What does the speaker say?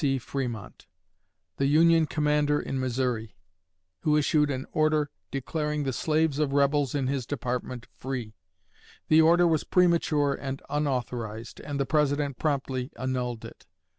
C. Frémont, the Union commander in Missouri, who issued an order declaring the slaves of rebels in his department free. The order was premature and unauthorized, and the President promptly annulled it.